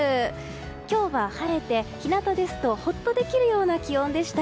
今日は晴れて、日なたですとほっとできるような気温でした。